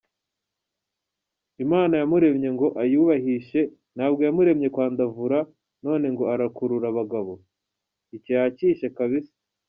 Imana yamuremye ngo ayubahishe ,ntabwo yamuremeye kwandavura, none ngo arakurura abagabo !!? Icyo yakishe kabisa.